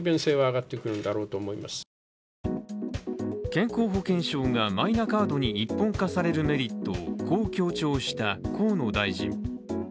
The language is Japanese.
健康保険証がマイナカードに一本化されるメリットをこう強調した、河野大臣。